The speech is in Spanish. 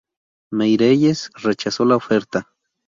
Meirelles rechazó la oferta.